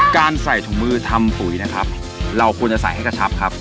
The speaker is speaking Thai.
การใส่ถุงมือทำปุ๋ยนะครับเราควรจะใส่ให้กระชับครับ